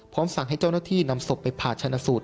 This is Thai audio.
สั่งให้เจ้าหน้าที่นำศพไปผ่าชนะสูตร